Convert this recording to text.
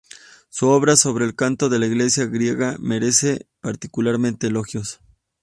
Su obra sobre el canto de la Iglesia griega merece particularmente elogios.